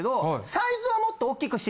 サイズを。